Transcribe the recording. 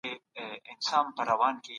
غاښونه مو په مسواک یا کریم پاک کړئ.